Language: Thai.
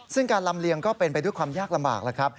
ซึ่งการลำเลียงก็เป็นไปด้วยความยากลำบากแล้วครับ